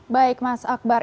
baik mas akbar